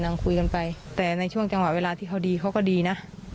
นั่งคุยกันไปแต่ในช่วงจังหวะเวลาที่เขาดีเขาก็ดีนะ